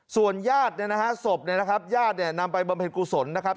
ส่วนญาติเนี่ยนะฮะศพเนี่ยนะครับญาติเนี่ยนำไปบำเพ็ญกุศลนะครับ